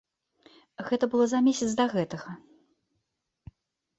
Гэта было за месяц да гэтага.